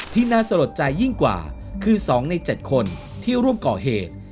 น่าสะลดใจยิ่งกว่าคือ๒ใน๗คนที่ร่วมก่อเหตุ